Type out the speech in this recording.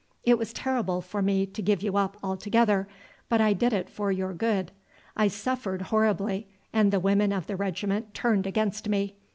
It was terrible for me to give you up altogether, but I did it for your good. I suffered horribly, and the women of the regiment turned against me.